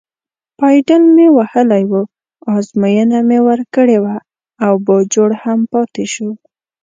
پایډل مې وهلی و، ازموینه مې ورکړې وه او باجوړ هم پاتې شو.